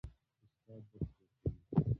استاد درس ورکوي.